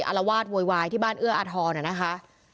อารวาสโวยวายที่บ้านเอื้ออาทรนะคะ